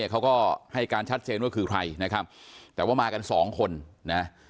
เขาก็ให้การชัดเจนว่าคือใครนะครับแต่ว่ามากันสองคนนะ